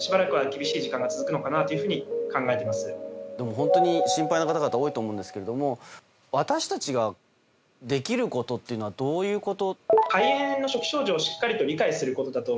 本当に心配な方々多いと思うんですけど私たちができることってどういうこと。